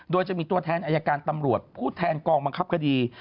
โดยจะมีตัวแทนอายการตำรวจผู้แทนกองบังคับคดี